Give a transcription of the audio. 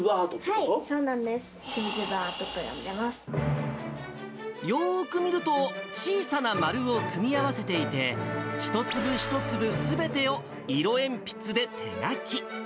はい、そうなんです、つぶつよーく見ると、小さな丸を組み合わせていて、一粒一粒すべてを色鉛筆で手描き。